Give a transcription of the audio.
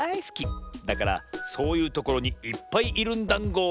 だからそういうところにいっぱいいるんだんご。